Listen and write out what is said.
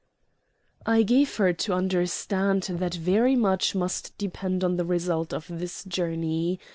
"I gave her to understand that very much must depend on the result of this journey.